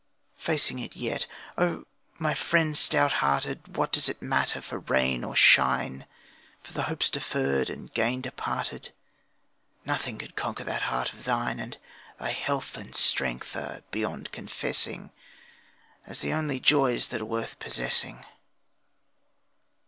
Facing it yet! Oh, my friend stout hearted, What does it matter for rain or shine, For the hopes deferred and the gain departed? Nothing could conquer that heart of thine. And thy health and strength are beyond confessing As the only joys that are worth possessing.